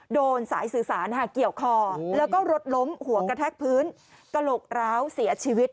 โดนสายสื่อสารเกี่ยวคอแล้วก็รถล้มหัวกระแทกพื้นกระโหลกร้าวเสียชีวิต